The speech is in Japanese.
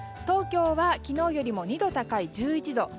東京は昨日よりも２度高い１１度。